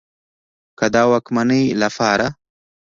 که د واکمنۍ له پاره